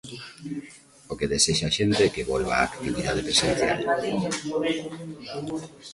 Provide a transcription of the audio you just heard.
O que desexa a xente é que volva a actividade presencial.